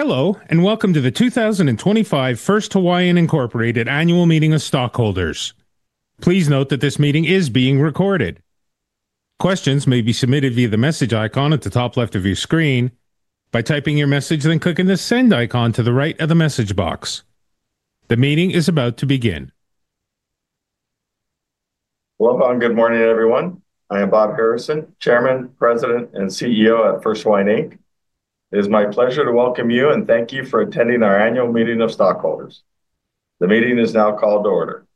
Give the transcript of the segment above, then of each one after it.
Hello, and welcome to the 2025 First Hawaiian Annual Meeting of Stockholders. Please note that this meeting is being recorded. Questions may be submitted via the message icon at the top left of your screen. By typing your message, then clicking the Send icon to the right of the message box. The meeting is about to begin. Welcome and good morning, everyone. I am Bob Harrison, Chairman, President, and CEO at First Hawaiian. It is my pleasure to welcome you and thank you for attending our Annual Meeting of Stockholders. The meeting is now called to order.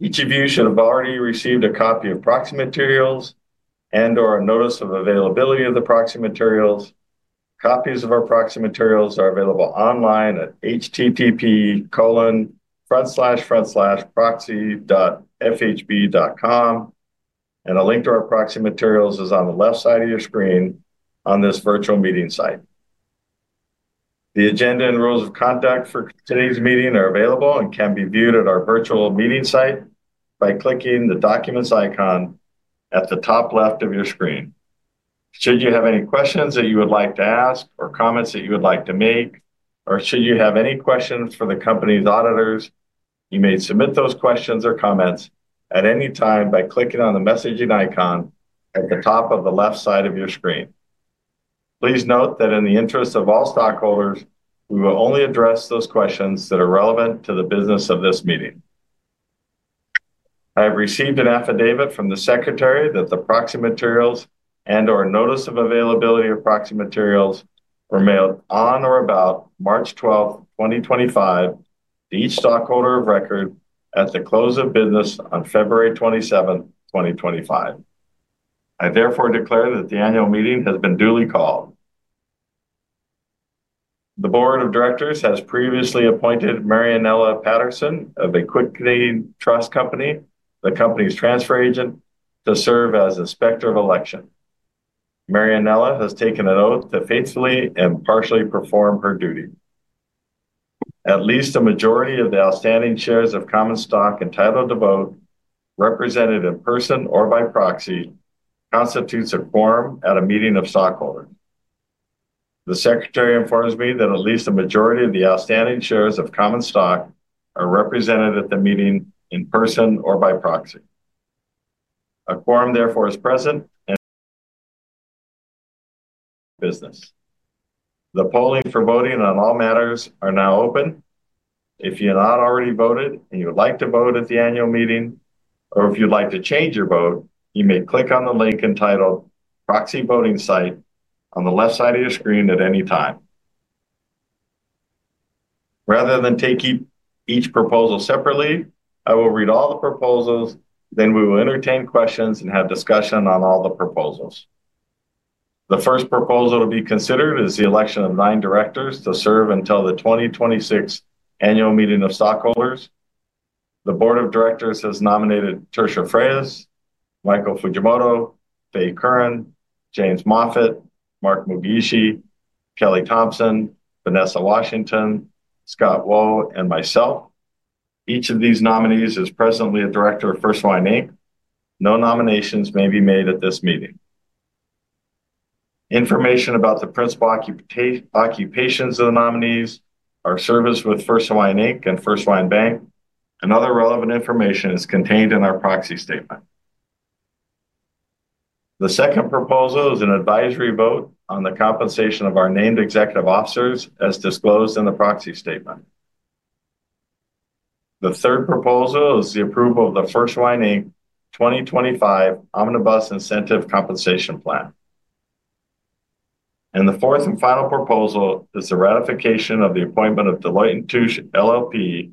Each of you should have already received a copy of proxy materials and/or a notice of availability of the proxy materials. Copies of our proxy materials are available online at https://proxy.fhb.com, and a link to our proxy materials is on the left side of your screen on this virtual meeting site. The agenda and rules of conduct for today's meeting are available and can be viewed at our virtual meeting site by clicking the Documents icon at the top left of your screen. Should you have any questions that you would like to ask or comments that you would like to make, or should you have any questions for the company's auditors, you may submit those questions or comments at any time by clicking on the Messaging icon at the top of the left side of your screen. Please note that in the interest of all stockholders, we will only address those questions that are relevant to the business of this meeting. I have received an affidavit from the Secretary that the proxy materials and/or a notice of availability of proxy materials were mailed on or about March 12, 2025, to each stockholder of record at the close of business on February 27, 2025. I therefore declare that the Annual Meeting has been duly called. The Board of Directors has previously appointed Marianela Patterson of the Computershare Trust Company, the company's transfer agent, to serve as Inspector of Election. Marianela has taken an oath to faithfully and impartially perform her duty. At least a majority of the outstanding shares of common stock entitled to vote, represented in person or by proxy, constitutes a quorum at a meeting of stockholders. The Secretary informs me that at least a majority of the outstanding shares of common stock are represented at the meeting in person or by proxy. A quorum therefore is present. The polling for voting on all matters is now open. If you have not already voted and you would like to vote at the Annual Meeting, or if you'd like to change your vote, you may click on the link entitled Proxy Voting Site on the left side of your screen at any time. Rather than taking each proposal separately, I will read all the proposals, then we will entertain questions and have discussion on all the proposals. The first proposal to be considered is the election of nine directors to serve until the 2026 Annual Meeting of Stockholders. The Board of Directors has nominated Tertia Freas, Michael Fujimoto, Faye Kurren, James Moffatt, Mark Mugiishi, Kelly Thompson, Vanessa Washington, Scott Wo, and myself. Each of these nominees is presently a director of First Hawaiian. No nominations may be made at this meeting. Information about the principal occupations of the nominees or service with First Hawaiian and First Hawaiian Bank and other relevant information is contained in our proxy statement. The second proposal is an advisory vote on the compensation of our named executive officers as disclosed in the proxy statement. The third proposal is the approval of the First Hawaiian 2025 Omnibus Incentive Compensation Plan. The fourth and final proposal is the ratification of the appointment of Deloitte & Touche LLP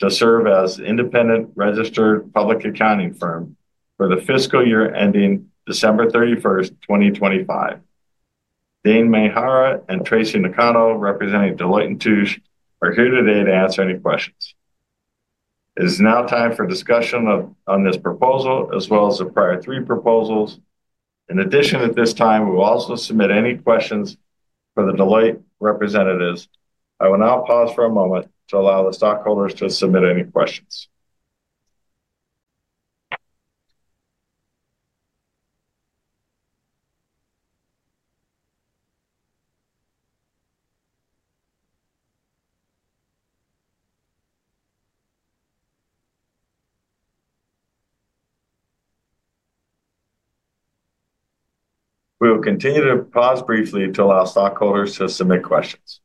to serve as an independent registered public accounting firm for the fiscal year ending December 31, 2025. Dane Mehara and Traci Nakano representing Deloitte & Touche are here today to answer any questions. It is now time for discussion on this proposal as well as the prior three proposals. In addition, at this time, we will also submit any questions for the Deloitte representatives. I will now pause for a moment to allow the stockholders to submit any questions. We'll continue to pause briefly to allow stockholders to submit questions.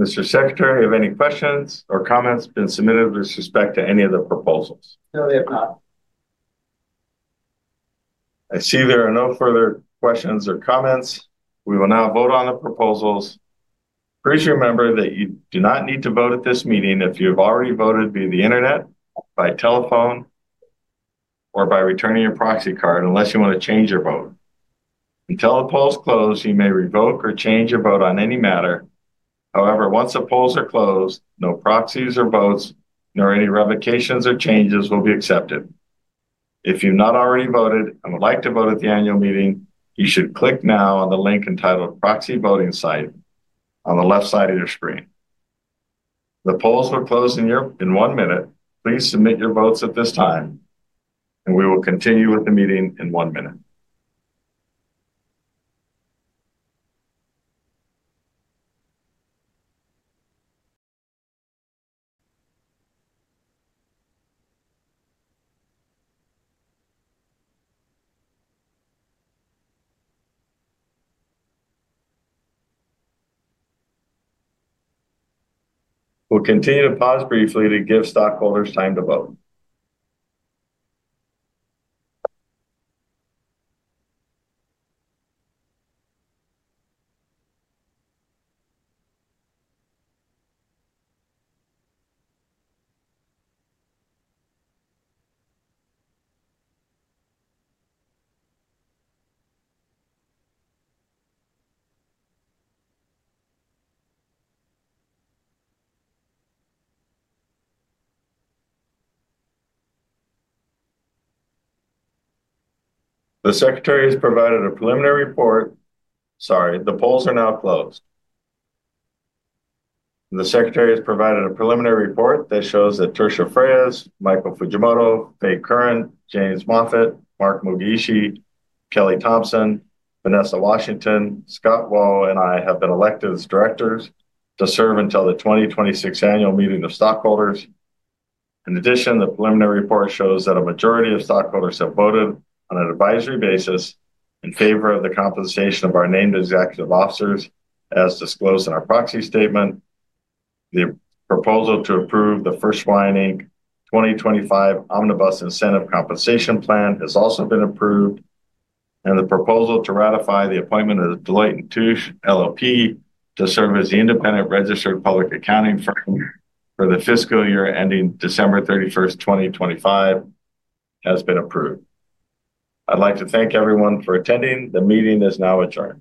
Mr. Secretary, have any questions or comments been submitted with respect to any of the proposals? No, they have not. I see there are no further questions or comments. We will now vote on the proposals. Please remember that you do not need to vote at this meeting if you have already voted via the internet, by telephone, or by returning your proxy card unless you want to change your vote. Until the polls close, you may revoke or change your vote on any matter. However, once the polls are closed, no proxies or votes, nor any revocations or changes will be accepted. If you have not already voted and would like to vote at the Annual Meeting, you should click now on the link entitled Proxy Voting Site on the left side of your screen. The polls are closing in one minute. Please submit your votes at this time, and we will continue with the meeting in one minute. We'll continue to pause briefly to give stockholders time to vote. The Secretary has provided a preliminary report. Sorry, the polls are now closed. The Secretary has provided a preliminary report that shows that Tertia Freas, Michael Fujimoto, Faye Kurren, James Moffatt, Mark Mugiishi, Kelly Thompson, Vanessa Washington, Scott Wo, and I have been elected as directors to serve until the 2026 Annual Meeting of Stockholders. In addition, the preliminary report shows that a majority of stockholders have voted on an advisory basis in favor of the compensation of our named executive officers as disclosed in our proxy statement. The proposal to approve the First Hawaiian 2025 Omnibus Incentive Compensation Plan has also been approved, and the proposal to ratify the appointment of Deloitte & Touche LLP to serve as the independent registered public accounting firm for the fiscal year ending December 31, 2025, has been approved. I'd like to thank everyone for attending. The meeting is now adjourned.